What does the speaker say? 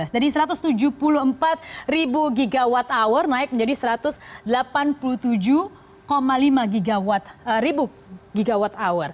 jadi satu ratus tujuh puluh empat gwh naik menjadi satu ratus delapan puluh tujuh lima gwh